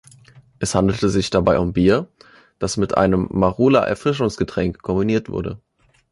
Es handelte sich dabei um Bier, das mit einem Marula-Erfrischungsgetränk kombiniert wurde.